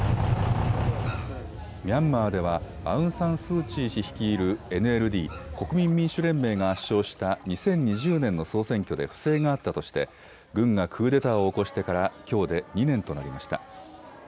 ミャンマーではアウン・サン・スー・チー氏率いるＮＬＤ・国民民主連盟が圧勝した２０２０年の総選挙で不正があったとして軍がクーデターを起こしてからきょうで２年となりました。